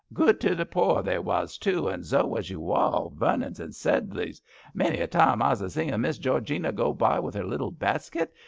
Good to the poor they was, too, and zo was you all, Vernons and Sedleys, Many's a time I've a zin Miss Georgina go by with her little baskit